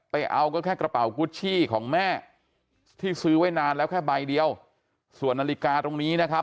ไปเอาก็แค่กระเป๋ากุชชี่ของแม่ที่ซื้อไว้นานแล้วแค่ใบเดียวส่วนนาฬิกาตรงนี้นะครับ